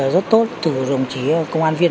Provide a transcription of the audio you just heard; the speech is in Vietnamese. rất tốt từ đồng chí công an viên